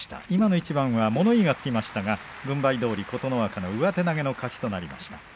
今の一番は物言いがつきましたが軍配どおり琴ノ若、上手投げの勝ちとなりました。